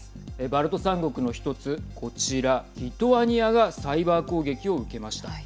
バルト３国の１つこちら、リトアニアがサイバー攻撃を受けました。